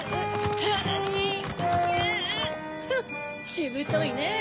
しぶといねぇ。